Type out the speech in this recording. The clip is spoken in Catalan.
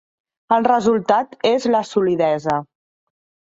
El resultat és la solidesa.